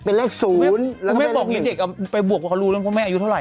แล้วก็เป็นอะไรอีกคุณแม่บอกให้เด็กไปบวกเค้ารู้เรื่องพ่อแม่อายุเท่าไหร่